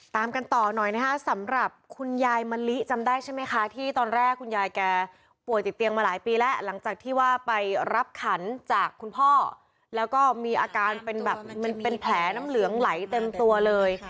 ตามกันต่อหน่อยนะคะสำหรับคุณยายมะลิจำได้ใช่ไหมคะที่ตอนแรกคุณยายแกป่วยติดเตียงมาหลายปีแล้วหลังจากที่ว่าไปรับขันจากคุณพ่อแล้วก็มีอาการเป็นแบบมันเป็นแผลน้ำเหลืองไหลเต็มตัวเลย